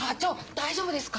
大丈夫ですか？